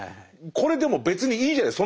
これでも別にいいじゃない。